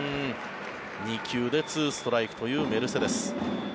２球で２ストライクというメルセデス。